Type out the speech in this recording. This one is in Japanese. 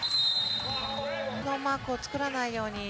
ノーマークを作らないように。